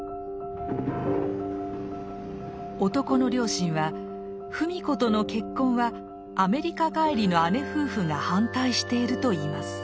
男の両親は芙美子との結婚はアメリカ帰りの姉夫婦が反対していると言います。